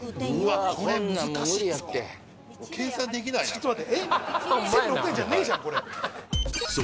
ちょっと待って違う